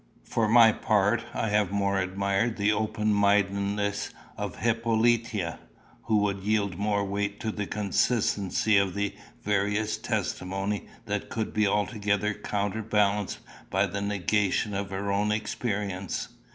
"For my part, I have more admired the open mindedness of Hippolyta, who would yield more weight to the consistency of the various testimony than could be altogether counterbalanced by the negation of her own experience.